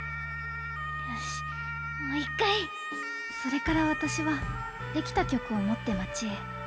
よしもう一回！それからわたしは出来た曲を持ってまちへ。